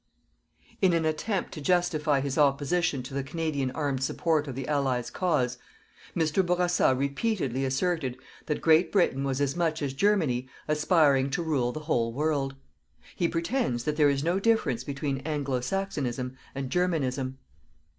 In the attempt to justify his opposition to the Canadian armed support of the Allies' cause, Mr. Bourassa repeatedly asserted that Great Britain was as much as Germany aspiring to rule the whole world. He pretends that there is no difference between Anglo Saxonism and Germanism.